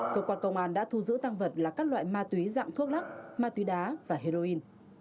cơ quan công an đã thu giữ tăng vật là các loại ma túy dạng thuốc lắc ma túy đá và heroin